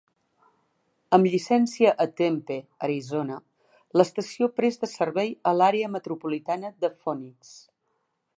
Amb llicència a Tempe, Arizona, l'estació presta servei a l'àrea metropolitana de Phoenix.